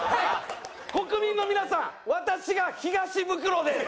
国民の皆さん私が東ブクロです！